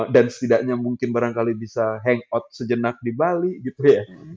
dan setidaknya mungkin barangkali bisa hangout sejenak di bali gitu ya